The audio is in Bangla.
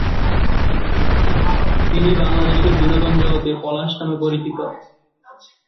তিনি বাংলাদেশের বিনোদন জগতে পলাশ নামে পরিচিত।